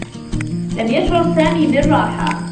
لم يشعر سامي بالرّاحة.